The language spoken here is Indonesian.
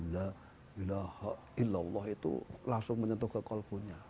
la ilaha illallah itu langsung menyentuh ke kolpunya